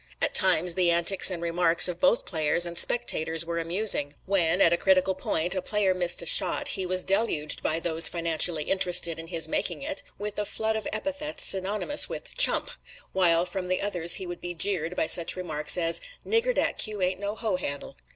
At times the antics and remarks of both players and spectators were amusing. When, at a critical point, a player missed a shot, he was deluged, by those financially interested in his making it, with a flood of epithets synonymous with "chump"; While from the others he would be jeered by such remarks as "Nigger, dat cue ain't no hoe handle."